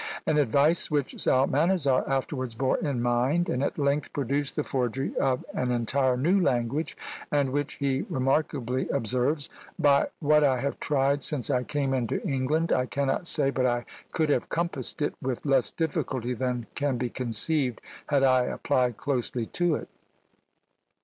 An advice which Psalmanazar afterwards bore in mind, and at length produced the forgery of an entire new language; and which, he remarkably observes, "by what I have tried since I came into England, I cannot say but I could have compassed it with less difficulty than can be conceived had I applied closely to it."